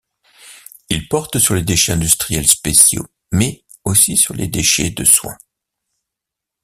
Il porte sur les déchets industriels spéciaux, mais aussi sur les déchets de soins.